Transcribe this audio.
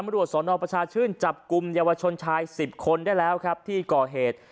รวจสนประชาชื่นจับกลุ่มเยาวชนชาย๑๐คนได้แล้วครับที่ก่อเหตุ